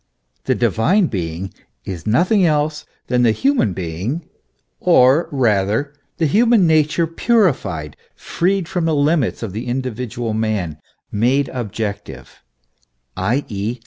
The divine being is nothing else than the human being, or, rather the human nature purified, freed from the limits of the individual man, made objective i.e.